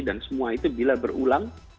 dan semua itu bila berulang